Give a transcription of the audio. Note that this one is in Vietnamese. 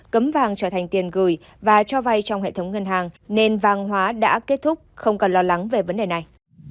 cấm vàng trở thành tiền gửi và cho vay trong hệ thống ngân hàng nên vàng hóa đã kết thúc không còn lo lắng về vấn đề này